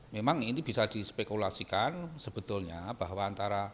memang ini bisa dispekulasikan sebetulnya bahwa antara